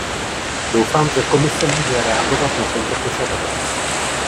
Doufám, že Komise může reagovat na tento požadavek.